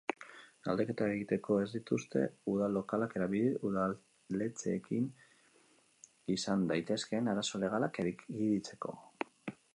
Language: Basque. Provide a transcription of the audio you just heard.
Galdeketa egiteko ez dituzte udal-lokalak erabili udaletxeekin izan daitezkeen arazo legalak ekiditeko.